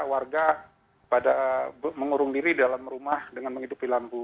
warga pada mengurung diri dalam rumah dengan menghidupi lampu